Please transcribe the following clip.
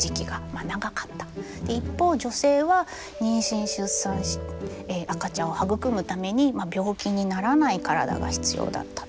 一方女性は妊娠出産赤ちゃんを育むために病気にならない体が必要だったと。